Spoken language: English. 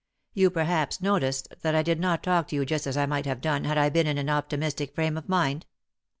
You perhaps noticed that I did not talk to you just as I might have done had I been in an optimistic frame of mind."